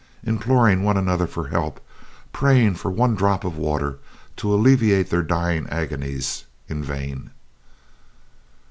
_ Imploring one another for help, praying for one drop of water to alleviate their dying agonies in vain!